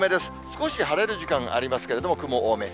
少し晴れる時間ありますけれども、雲多め。